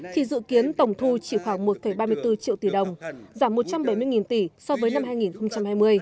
thì dự kiến tổng thu chỉ khoảng một ba mươi bốn triệu tỷ đồng giảm một trăm bảy mươi tỷ so với năm hai nghìn hai mươi